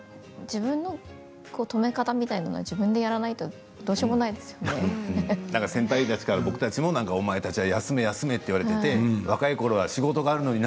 自分の止め方みたいなのは自分でやらないと先輩たちから僕たちもお前たちは休め休めと言われて若いころは仕事があるのに